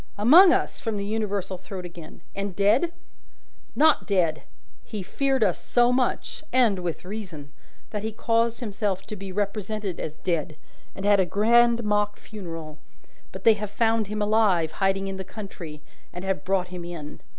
"Among us!" from the universal throat again. "And dead?" "Not dead! He feared us so much and with reason that he caused himself to be represented as dead, and had a grand mock funeral. But they have found him alive, hiding in the country, and have brought him in.